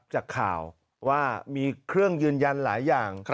จากข่าวว่ามีเครื่องยืนยันหลายอย่าง